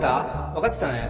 分かってたね。